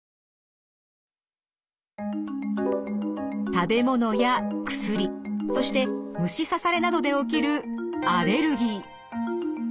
食べ物や薬そして虫刺されなどで起きるアレルギー。